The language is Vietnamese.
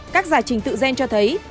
các giải trình tự gen cho thấy